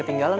eh ini seng